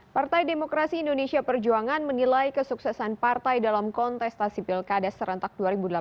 partai demokrasi indonesia perjuangan menilai kesuksesan partai dalam kontestasi pilkada serentak dua ribu delapan belas